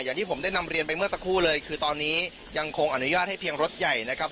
อย่างที่ผมได้นำเรียนไปเมื่อสักครู่เลยคือตอนนี้ยังคงอนุญาตให้เพียงรถใหญ่นะครับ